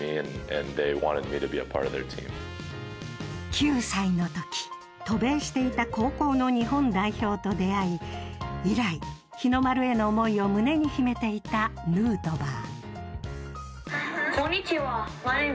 ９歳の時渡米していた高校の日本代表と出会い以来日の丸への思いを胸に秘めていたヌートバー。